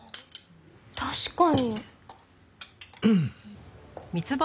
確かに。